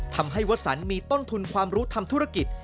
ทำให้วสันมีต้นทุนความรู้ทำธุรกิจ